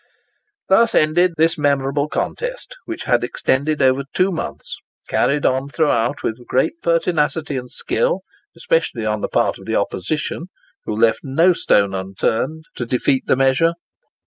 Thus ended this memorable contest, which had extended over two months—carried on throughout with great pertinacity and skill, especially on the part of the opposition, who left no stone unturned to defeat the measure.